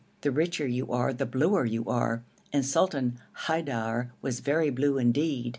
The richer you are the bluer you are, and Sultan Haidar was very blue indeed.